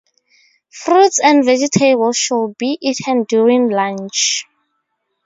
Fruits and vegetables should be eaten during lunch.